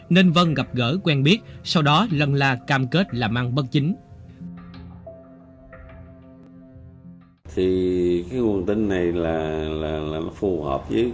nên vân gặp gỡ quen biết sau đó lân la cam kết làm ăn bất chính